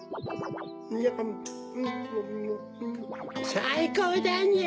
さいこうだにゃ！